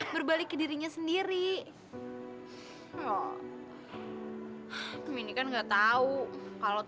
berarti kita sekarang bisa pulang loh